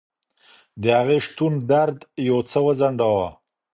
د هغې شتون درد یو څه وځنډاوه.